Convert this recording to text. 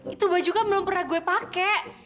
itu baju kan belum pernah gue pakai